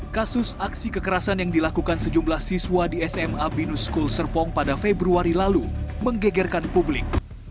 kasus aksi kekerasan yang dilakukan sejumlah siswa di sma binuskul serpong pada februari lalu menggegerkan publik